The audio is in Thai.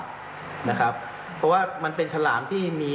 เพราะว่ามันเป็นฉลามที่มี